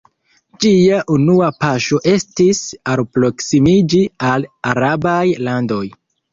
Ĝia unua paŝo estis alproksimiĝi al arabaj landoj.